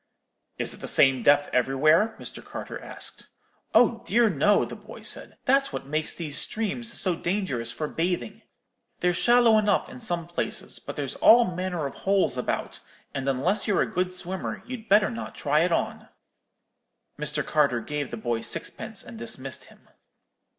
"'Is it the same depth every where?' Mr. Carter asked. "'Oh, dear no,' the boy said; 'that's what makes these streams so dangerous for bathing: they're shallow enough in some places; but there's all manner of holes about; and unless you're a good swimmer, you'd better not try it on.' "Mr. Carter gave the boy sixpence and dismissed him.